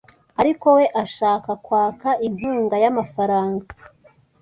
ariko we ashaka kwaka inkunga y’amafaranga